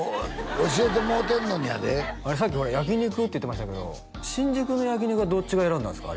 教えてもろてんのにやでさっきほら焼き肉って言ってましたけど新宿の焼き肉はどっちが選んだんですか？